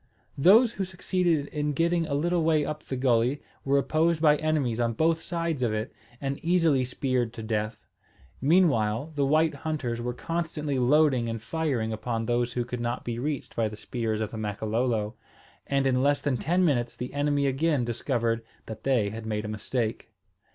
Those who succeeded in getting a little way up the gulley were opposed by enemies on both sides of it, and easily speared to death. Meanwhile the white hunters were constantly loading and firing upon those who could not be reached by the spears of the Makololo; and in less than ten minutes the enemy again discovered that they had made a mistake.